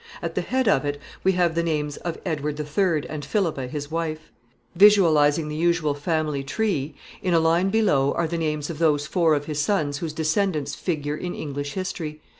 At the head of it we have the names of Edward III. and Philippa his wife. In a line below are the names of those four of his sons whose descendants figure in English history.